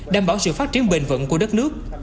đảm bảo sự phát triển bền vững của đất nước